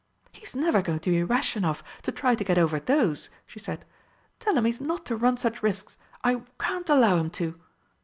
"He's never going to be rash enough to try to get over those!" she said. "Tell him he's not to run such risks. I can't allow him to!"